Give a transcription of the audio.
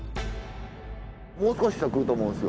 もう少ししたら来ると思うんですよ。